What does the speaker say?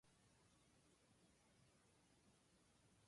私の子ではありません